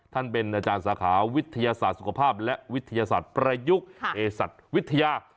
ท่านเป็นอาจารย์สาขาวิทยาศาสตร์สุขภาพและวิทยาศาสตร์ประยุกต์เพศัตริย์วิทยา